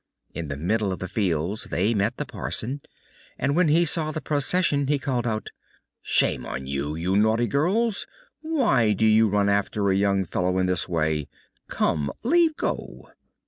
In the middle of the fields they met the parson, and when he saw the procession he called out, "Shame on you, you naughty girls, why do you run after a young fellow in this way? Come, leave go!"